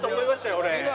俺。